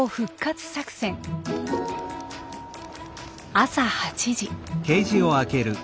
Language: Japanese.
朝８時。